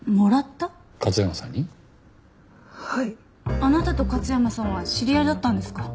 あなたと勝山さんは知り合いだったんですか？